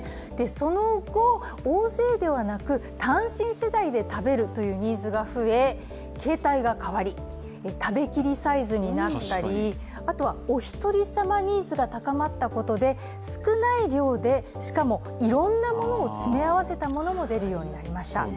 その後、大勢ではなく単身世帯で食べるというニーズが増え、形態が変わり、食べきりサイズになったりあとはおひとり様ニーズが高まったことで少ない量で、しかもいろんなものを詰め合わせたものも出るようになりました。